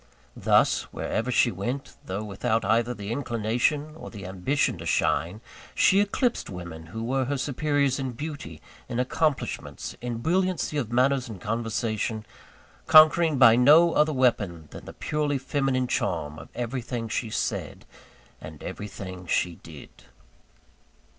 Thus, wherever she went, though without either the inclination, or the ambition to shine, she eclipsed women who were her superiors in beauty, in accomplishments, in brilliancy of manners and conversation conquering by no other weapon than the purely feminine charm of everything she said, and everything she did.